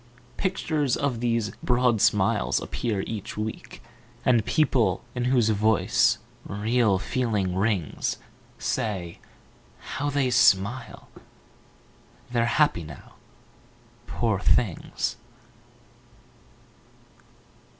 Pictures of these broad smiles appear each week, And people in whose voice real feeling rings Say: How they smile! They're happy now, poor things.